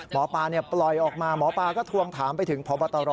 หมอปลาปล่อยออกมาหมอปลาก็ทวงถามไปถึงพบตร